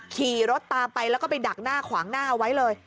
ขี่รถตามไปแล้วก็ไปดักหน้าขวางหน้าเอาไว้เลย